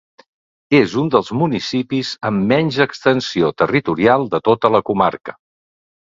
És un dels municipis amb menys extensió territorial de tota la comarca.